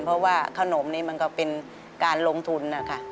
เพราะว่าขนมนี้มันก็เป็นการลงทุนนะคะ